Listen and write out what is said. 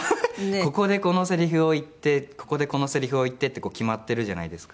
ここでこのセリフを言ってここでこのセリフを言ってって決まっているじゃないですか。